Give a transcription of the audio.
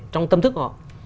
tâm thức họ